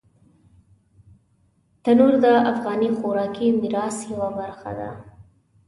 تنور د افغاني خوراکي میراث یوه برخه ده